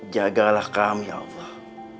jagalah kami ya allah